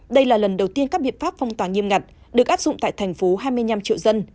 đây là lần đầu tiên các biện pháp phong tỏa nghiêm ngặt được áp dụng tại thành phố hai mươi năm triệu dân